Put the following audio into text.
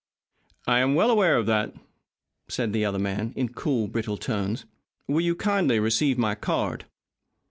"I am well aware of that," said the other man, in cool, brittle tones. "Will you kindly receive my card?"